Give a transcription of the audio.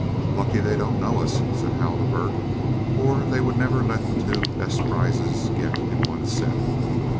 "Lucky they don't know us," said Hal to Bert, "for they would never let the two best prizes get in one set."